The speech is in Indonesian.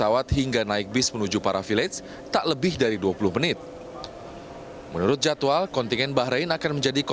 just in case ada katalah ambulif ada yang tidak bermuji